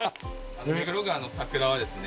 あの目黒川の桜はですね